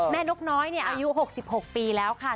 แม่นกน้อยอายุหกสิบหกปีแล้วค่ะ